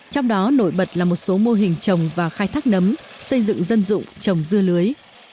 trong đó nổi bật là một số mô hình trồng và khai thác nấm xây dựng dân dụng trồng dưa lưới